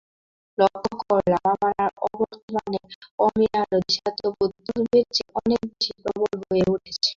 লক্ষ্য করলেম, আমার অবর্তমানে অমিয়ারও দেশাত্মবোধ পূর্বের চেয়ে অনেক বেশি প্রবল হয়ে উঠেছে।